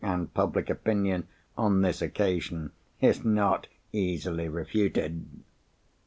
And public opinion, on this occasion, is not easily refuted."